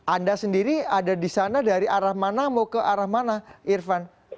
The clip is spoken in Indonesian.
anda sendiri ada di sana dari arah mana mau ke arah mana irfan